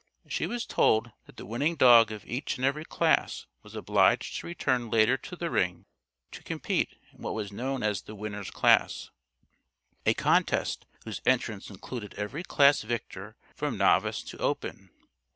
She was told that the winning dog of each and every class was obliged to return later to the ring to compete in what was known as the Winners' class a contest whose entrants included every class victor from Novice to Open.